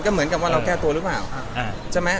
เหมือนกับเราแก้ตัวรู้ก็อย่างนี้